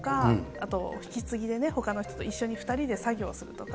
あと引き継ぎで、ほかの人と一緒に２人で作業するとか。